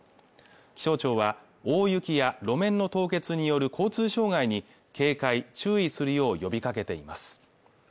気象庁は大雪や路面の凍結による交通障害に警戒注意するよう呼びかけています